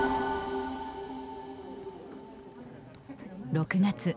６月。